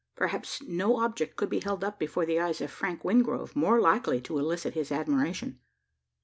Perhaps no object could be held up before the eyes of Frank Wingrove more likely to elicit his admiration.